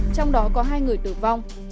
trong đó có hai người tử vong